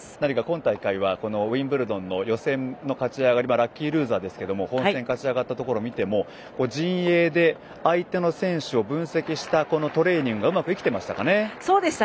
今大会はウィンブルドンの予選の勝ち上がりラッキールーザーですけれども本戦勝ち上がったところを見ても陣営で相手の選手を分析したトレーニングが生きてましたかね。